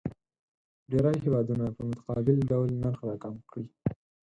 ډېری هیوادونه په متقابل ډول نرخ راکم کړي.